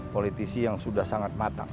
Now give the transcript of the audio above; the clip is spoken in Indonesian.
politisi yang sudah sangat matang